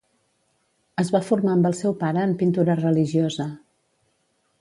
Es va formar amb el seu pare en pintura religiosa.